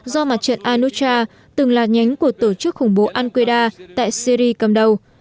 do mặt trận anucha từng là nhánh của tổ chức khủng bố al qaeda tại syria cầm đầu